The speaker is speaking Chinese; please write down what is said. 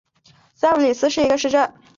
埃贝尔斯特是德国图林根州的一个市镇。